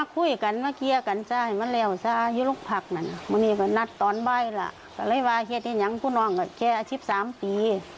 คือเขาจะขอจับมือนักร้องเต